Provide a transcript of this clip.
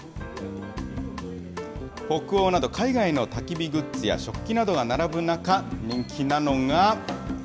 北欧など、海外のたき火グッズや食器などが並ぶ中、人気なのが。